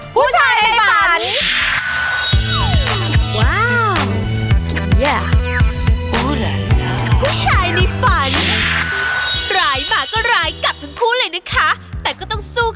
ดูสิดูหัวกาวเขาสิ